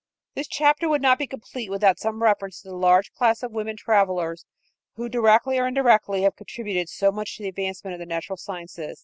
This chapter would not be complete without some reference to that large class of women travelers who, directly or indirectly, have contributed so much to the advancement of the natural sciences.